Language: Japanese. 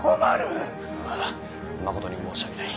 あぁまことに申し訳ない。